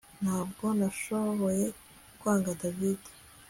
Ntabwo nashoboye kwanga David